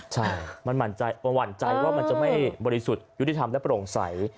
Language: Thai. ใช่มันหวั่นใจว่ามันจะไม่บริสุทธิ์ยุติธรรมและโปร่งใส